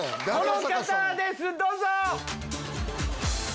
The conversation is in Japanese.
この方ですどうぞ！